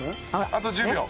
あと１０秒。